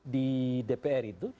di dpr itu